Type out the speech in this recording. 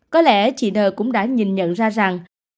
có lẽ chị n cũng đã nhìn nhận ra rằng